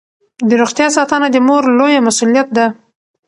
د روغتیا ساتنه د مور لویه مسوولیت ده.